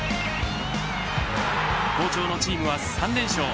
好調のチームは３連勝。